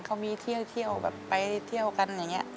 เขามีเที่ยวแบบไปเที่ยวกันอย่างนี้